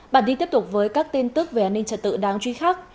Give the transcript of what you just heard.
bản tin tiếp tục với các tin tức về an ninh trật tự đáng truy khắc